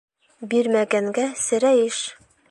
Бирмәгәнгә серәйеш.